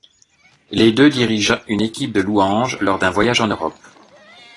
Les deux dirigent une équipe de louange lors d’un voyage en Europe.